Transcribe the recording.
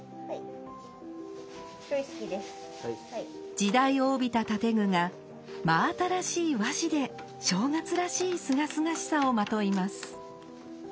時代を帯びた建具が真新しい和紙で正月らしいすがすがしさをまといます。